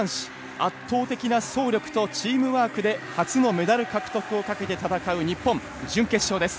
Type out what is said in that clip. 圧倒的な走力とチームワークで初のメダル獲得をかけて戦う日本、準決勝です。